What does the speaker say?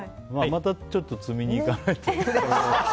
またちょっと摘みに行かないと。